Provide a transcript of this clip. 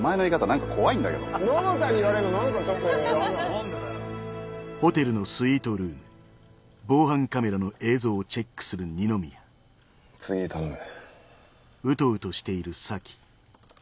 何か怖いんだけど百田に言われんの何かちょっと嫌だな何でだよ次頼む。